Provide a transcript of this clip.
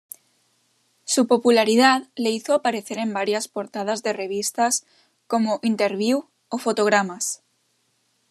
Su popularidad le hizo aparecer en varias portadas de revistas como "Interviú" o "Fotogramas".